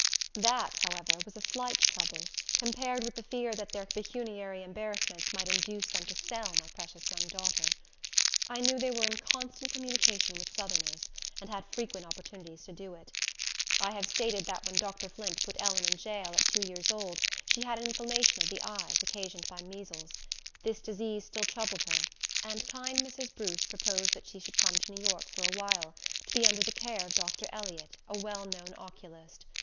That, however, was a slight trouble, compared with the fear that their pecuniary embarrassments might induce them to sell my precious young daughter. I knew they were in constant communication with Southerners, and had frequent opportunities to do it. I have stated that when Dr. Flint put Ellen in jail, at two years old, she had an inflammation of the eyes, occasioned by measles. This disease still troubled her; and kind Mrs. Bruce proposed that she should come to New York for a while, to be under the care of Dr. Elliott, a well known oculist.